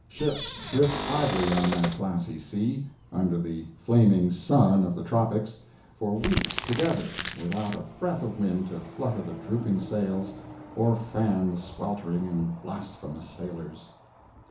Ships drift idly on that glassy sea, under the flaming sun of the tropics, for weeks together, without a breath of wind to flutter the drooping sails or fan the sweltering and blasphemous sailors.